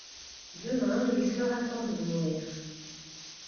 Demain, il sera temps de mourir.